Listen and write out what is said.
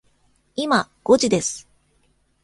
今、五時です。